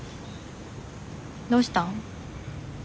どうしたん？